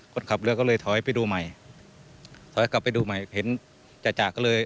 คนขับเรือก็เลยถอยไปดูใหม่ถอยกลับไปดูใหม่เห็นจ่าก็เลย